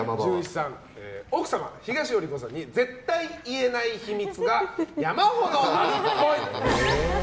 奥様の東尾理子さんに絶対言えない秘密が山ほどあるっぽい。